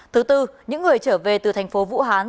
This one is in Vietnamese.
thứ tư những người trở về từ thành phố vũ hán